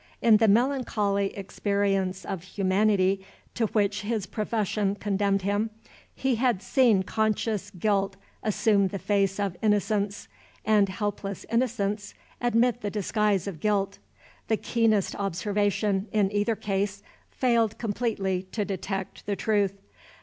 In the melancholy experience of humanity to which his profession condemned him, he had seen conscious guilt assume the face of innocence, and helpless innocence admit the disguise of guilt: the keenest observation, in either case, failing completely to detect the truth.